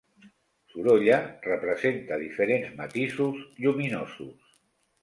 Sorolla, representa diferents matisos lluminosos.